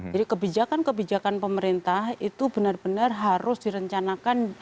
jadi kebijakan kebijakan pemerintah itu benar benar harus direncanakan